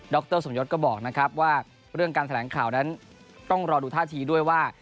ด็อกเตอร์สมยสก็บอกว่าเรื่องการแถลงข่าวนั้นต้องรอดูหน้าที่ด้วยว่า